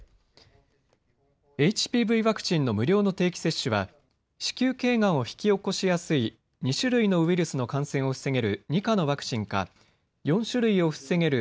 ＨＰＶワクチンの無料の定期接種は子宮頸がんを引き起こしやすい２種類のウイルスの感染を防げる２価のワクチンか４種類を防げる